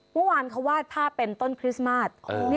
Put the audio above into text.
เมื่อวานเขาวาดภาพเป็นต้นคริสต์มาส